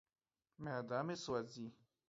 معده مې سوځي.